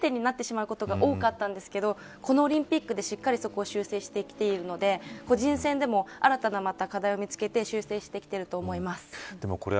今までは、４回転２回転になることが多かったんですがこのオリンピックでしっかり修正してきている個人戦でも新たな課題を見つけて修正してきていると思います。